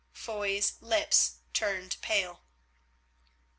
Foy's lips turned pale.